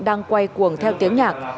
đang quay cuồng theo tiếng nhạc